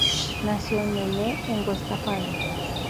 Nació en Melle, en Westfalia.